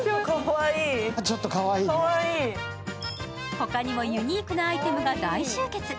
他にもユニークなアイテムが大集結。